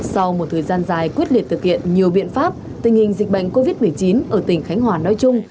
sau một thời gian dài quyết liệt thực hiện nhiều biện pháp tình hình dịch bệnh covid một mươi chín ở tỉnh khánh hòa nói chung